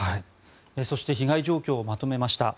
そして被害状況をまとめました。